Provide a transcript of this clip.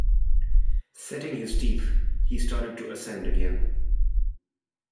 Setting his teeth, he started to ascend again.